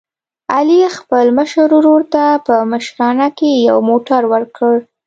علي خپل مشر ورور ته په مشرانه کې یو موټر ور کړ.